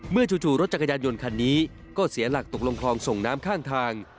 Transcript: จู่รถจักรยานยนต์คันนี้ก็เสียหลักตกลงคลองส่งน้ำข้างทาง